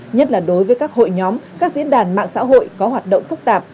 nhất là đối với các hội nhóm các diễn đàn mạng xã hội có hoạt động phức tạp